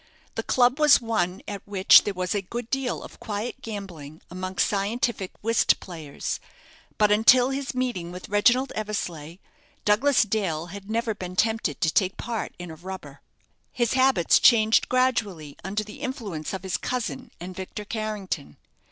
The club was one at which there was a good deal of quiet gambling amongst scientific whist players; but until his meeting with Reginald Eversleigh, Douglas Dale had never been tempted to take part in a rubber. His habits changed gradually under the influence of his cousin and Victor Carrington.